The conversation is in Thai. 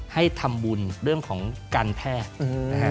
ให้ทำบุญเรื่องของการแพทย์นะฮะ